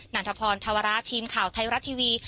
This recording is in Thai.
ันทพรธวระทีมข่าวไทยรัฐทีวี